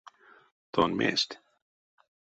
Тон мезть?